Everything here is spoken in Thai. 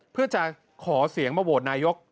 เพื่อจะขอเสียงมาโหวตนายก